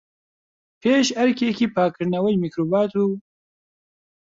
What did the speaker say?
پێش ئەرکێکی پاکردنەوەی میکرۆبات، و